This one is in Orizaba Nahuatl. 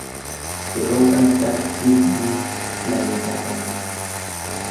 Teopan kajki nej tlayekapan.